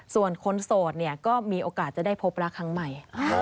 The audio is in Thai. ส่วนคนโสดเนี่ยก็มีโอกาสจะได้พบรักครั้งใหม่